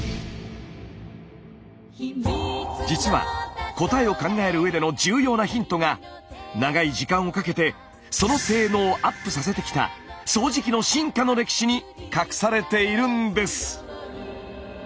実は答えを考えるうえでの重要なヒントが長い時間をかけてその性能をアップさせてきた掃除機の進化の歴史に隠されているんです。